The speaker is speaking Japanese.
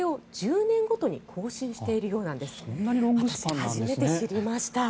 初めて知りました。